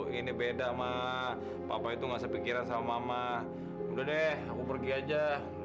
aneh aneh kadang kadang sudah deh udah jangan aneh aneh jangan macem macem kamu percaya nggak sama